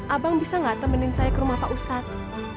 abang bisa nggak temenin saya ke rumah pak ustadz